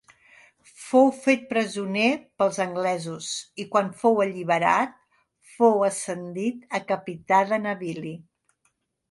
Fou fet presoner pels anglesos, i quan fou alliberat fou ascendit a capità de navili.